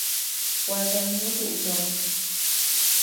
Gua deanu duʼu ndo.